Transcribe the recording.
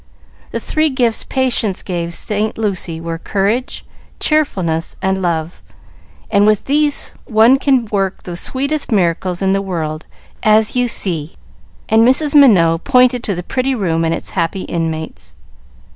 The three gifts Patience gave Saint Lucy were courage, cheerfulness, and love, and with these one can work the sweetest miracles in the world, as you see," and Mrs. Minot pointed to the pretty room and its happy inmates.